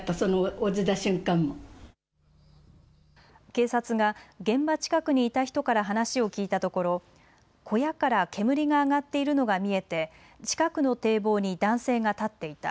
警察が現場近くにいた人から話を聞いたところ、小屋から煙が上がっているのが見えて近くの堤防に男性が立っていた。